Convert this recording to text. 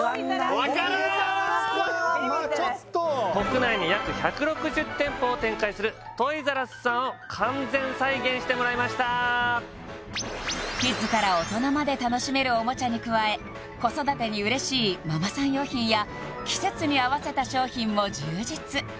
まあちょっとしてもらいましたキッズから大人まで楽しめるおもちゃに加え子育てに嬉しいママさん用品や季節に合わせた商品も充実